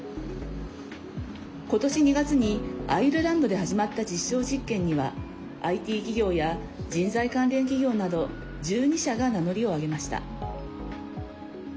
ことし２月にアイルランドで始まった実証実験にはＩＴ企業や人材関連企業など１２社が名乗りを上げました。